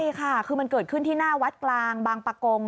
ใช่ค่ะคือมันเกิดขึ้นที่หน้าวัดกลางบางปะกง